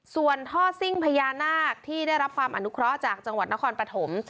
ส่วนท่อซิ่งพญานาคที่ได้รับความอนุเคราะห์จากจังหวัดนครปฐม